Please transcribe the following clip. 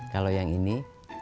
kalau yang ini